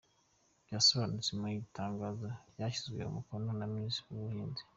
Byasohotse mu itangazo ryashyizweho umukono na Minisitiri w’ubuhinzi